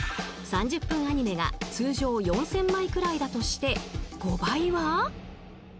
［３０分アニメが通常４，０００枚くらいだとして５倍は］